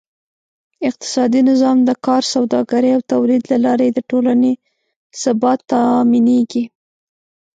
اقتصادي نظام: د کار، سوداګرۍ او تولید له لارې د ټولنې ثبات تأمینېږي.